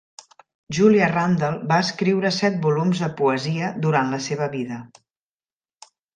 Julia Randall va escriure set volums de poesia durant la seva vida.